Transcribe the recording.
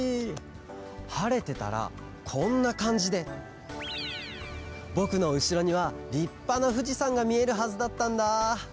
はれてたらこんなかんじでぼくのうしろにはりっぱなふじさんがみえるはずだったんだ。